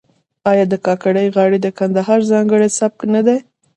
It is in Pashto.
آیا د کاکړۍ غاړې د کندهار ځانګړی سبک نه دی؟